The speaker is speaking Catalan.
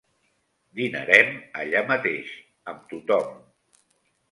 Dinarem allà mateix, amb tothom.